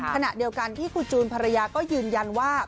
ขณะเดียวกันที่คุณจูนภรรยาก็ยืนยันว่า